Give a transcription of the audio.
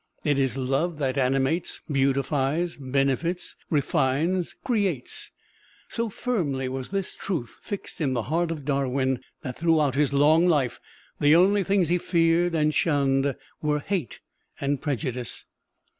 It is love that animates, beautifies, benefits, refines, creates. So firmly was this truth fixed in the heart of Darwin that throughout his long life the only things he feared and shunned were hate and prejudice.